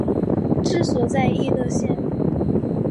治所在溢乐县。